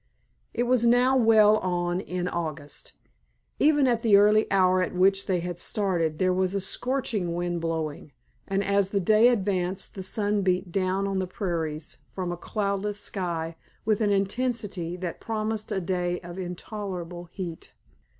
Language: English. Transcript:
It was now well on in August. Even at the early hour at which they had started there was a scorching wind blowing, and as the day advanced the sun beat down on the prairies from a cloudless sky with an intensity that promised a day of intolerable heat.